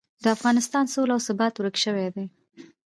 د افغانستان سوله او ثبات ورک شوي دي.